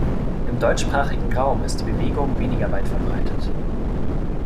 Im deutschsprachigen Raum ist die Bewegung weniger weit verbreitet.